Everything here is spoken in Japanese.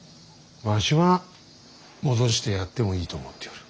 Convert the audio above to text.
わしは戻してやってもいいと思っておる。